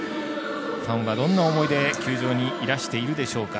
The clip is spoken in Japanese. ファンはどんな思いで球場にいらしているでしょうか。